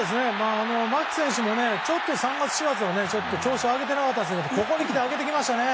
牧選手も３月、４月は調子を上げてなかったんですけどここにきて上げてきましたね。